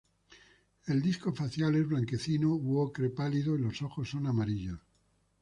El disco facial es blanquecino u ocre pálido y los ojos son amarillos.